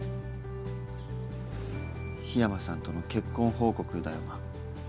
緋山さんとの結婚報告だよな？